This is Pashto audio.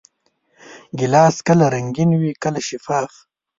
ګیلاس کله رنګین وي، کله شفاف.